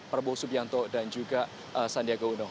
perbu subianto dan juga sandiago uno